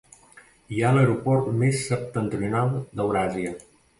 Hi ha l'aeroport més septentrional d'Euràsia.